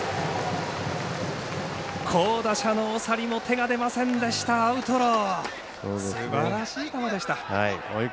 好打者の長利も手が出ませんでしたアウトロー。